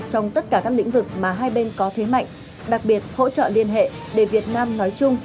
trong tất cả các lĩnh vực mà hai bên có thế mạnh đặc biệt hỗ trợ liên hệ để việt nam nói chung